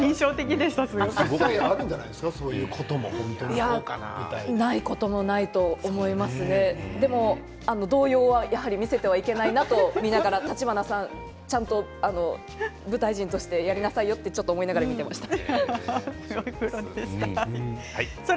舞台では、そういうことはないこともないと思いますので動揺は見せてはいけないなと橘さん、ちゃんと舞台人としてやりなさいよと思いながら見ていました。